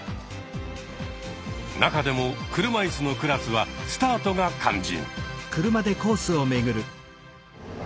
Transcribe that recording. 中でも車いすのクラスはスタートが肝心。